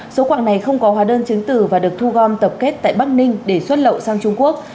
số quạng này không có hóa đơn chứng từ và được thu gom tập kết tại bắc ninh để xuất lậu sang trung quốc